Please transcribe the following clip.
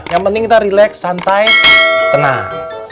yang penting kita relax santai tenang